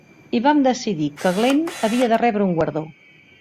I vam decidir que Glenn havia de rebre un guardó.